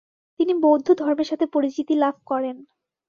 তিনি বৌদ্ধধর্মের সাথে পরিচিতি লাভ করেন।